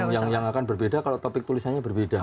yang akan berbeda kalau topik tulisannya berbeda